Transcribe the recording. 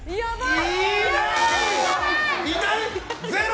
いない！